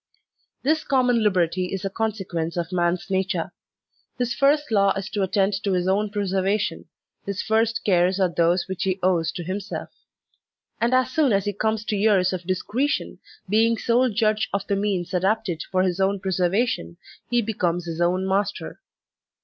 This common liberty is a consequence of man's nature. His first law is to attend to his own preservation, his first cares are those which he owes to himself; and as soon as he comes to years of discretion, being sole judge of the means adapted for his own preservation, he be comes his own master.